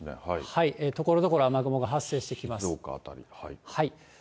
ところどころ雨雲が発生してきます。